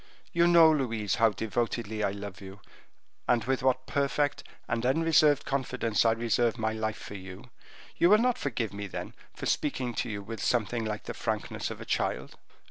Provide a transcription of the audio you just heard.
You know, Louise, how devotedly I love you, with what perfect and unreserved confidence I reserve my life for you; will you not forgive me, then, for speaking to you with something like the frankness of a child?"